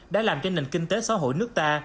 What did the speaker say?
đã làm cho nền kinh tế xã hội nước ta